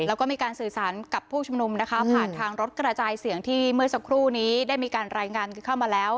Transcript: แล้วก็มีการสื่อสารกับผู้ชุมนุมนะคะผ่านทางรถกระจายเสียงที่เมื่อสักครู่นี้ได้มีการรายงานเข้ามาแล้ว